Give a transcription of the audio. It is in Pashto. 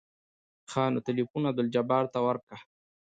ښه نو ټېلفون عبدالجبار ته ورکه.